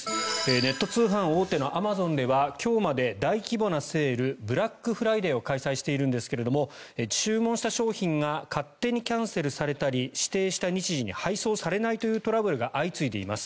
ネット通販大手のアマゾンでは今日まで大規模なセールブラックフライデーを開催しているんですが注文した商品が勝手にキャンセルされたり指定された日時に配送されないというトラブルが相次いでいます。